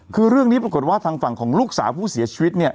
คือเรื่องนี้ปรากฏว่าทางฝั่งของลูกสาวผู้เสียชีวิตเนี่ย